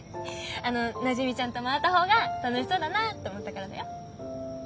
あのなじみちゃんと回った方が楽しそうだなと思ったからだよ。